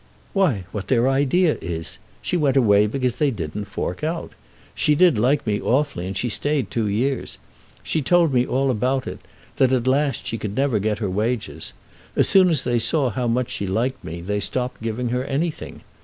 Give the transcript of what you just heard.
"Why what their idea is. She went away because they didn't fork out. She did like me awfully, and she stayed two years. She told me all about it—that at last she could never get her wages. As soon as they saw how much she liked me they stopped giving her anything.